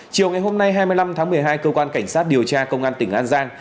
chiều ngày hôm nay hai mươi năm tháng một mươi hai cơ quan cảnh sát điều tra công an tỉnh an giang